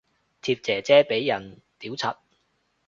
貼姐姐俾人屌柒